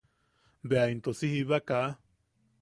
Bea into si jiba kaa.